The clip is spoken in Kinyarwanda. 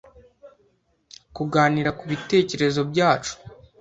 kuganira kubitekerezo byacu.